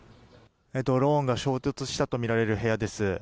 ドローンが衝突したとみられる部屋です。